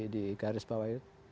di garis bawah itu